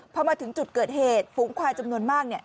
พอมาถึงจุดเกิดเหตุฝูงควายจำนวนมาก